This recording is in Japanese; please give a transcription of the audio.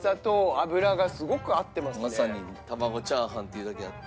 まさに玉子チャーハンっていうだけあって。